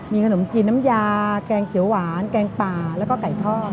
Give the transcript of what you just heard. มีขนมจีนน้ำยาแกงเขียวหวานแกงป่าแล้วก็ไก่ทอด